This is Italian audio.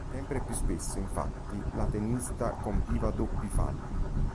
Sempre più spesso, infatti, la tennista compiva doppi falli.